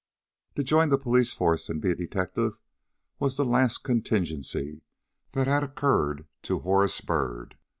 To join the police force and be a detective was the last contingency that had occurred to Horace Byrd.